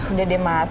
udah deh mas